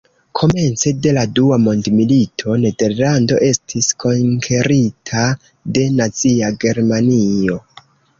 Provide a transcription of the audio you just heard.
Komence de la dua mondmilito, Nederlando estis konkerita de Nazia Germanio.